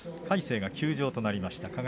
魁聖が休場となりました。